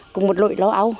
cùng một lội lô áo